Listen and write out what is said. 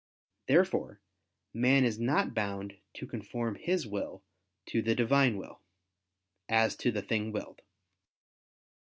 Therefore man is not bound to conform his will to the Divine will, as to the thing willed.